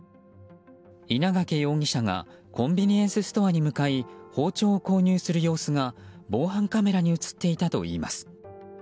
稲掛容疑者がコンビニエンスストアに向かい包丁を購入する様子が防犯カメラに映っていたといいます。